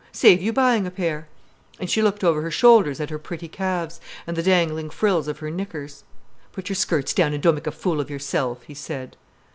Save you buying a pair." And she looked over her shoulders at her pretty calves, and the dangling frills of her knickers. "Put your skirts down and don't make a fool of yourself," he said.